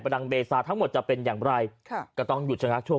ดังเบซาทั้งหมดจะเป็นอย่างไรค่ะก็ต้องหยุดชนะช่วง